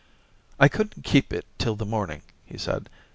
* I couldn't keep it till the morning,' he said.